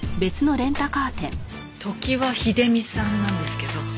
常盤秀美さんなんですけど。